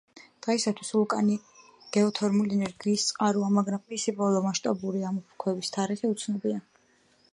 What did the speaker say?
დღეისათვის ვულკანი გეოთერმული ენერგიის წყაროა, მაგრამ მისი ბოლო მასშტაბური ამოფრქვევის თარიღი უცნობია.